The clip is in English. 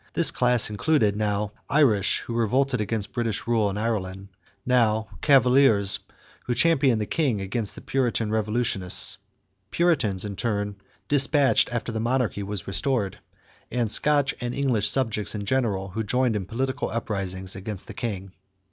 This class included now Irish who revolted against British rule in Ireland; now Cavaliers who championed the king against the Puritan revolutionists; Puritans, in turn, dispatched after the monarchy was restored; and Scotch and English subjects in general who joined in political uprisings against the king.